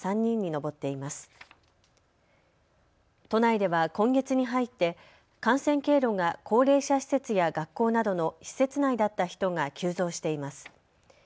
都内では今月に入って感染経路が高齢者施設や学校などの施設内だった人が急増しています。